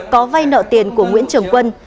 có vay nợ tiền của nguyễn trường quân